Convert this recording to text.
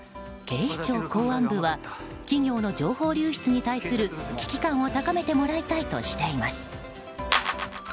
警視庁公安部は企業の情報流出に対する危機感を高めてもらいたいとしています。